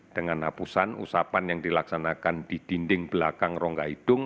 dengan hapusan usapan yang dilaksanakan di dinding belakang rongga hidung